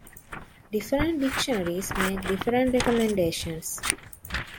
Different dictionaries make different recommendations.